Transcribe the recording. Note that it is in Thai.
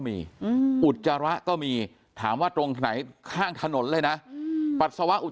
มีอุจจาระก็มีถามว่าตรงไหนข้างถนนเลยนะ